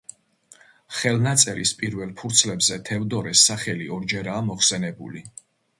ხელნაწერის პირველ ფურცლებზე თევდორეს სახელი ორჯერაა მოხსენებული.